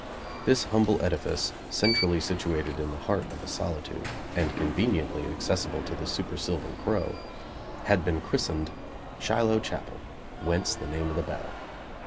This humble edifice, centrally situated in the heart of a solitude, and conveniently accessible to the supersylvan crow, had been christened Shiloh Chapel, whence the name of the battle.